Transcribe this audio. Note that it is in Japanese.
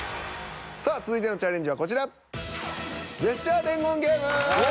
さあ続いてのチャレンジはこちら。